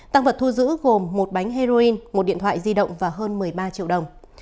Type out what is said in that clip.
tăng vật thu giữ gồm một bánh heroin một điện thoại di động và hơn một mươi ba triệu đồng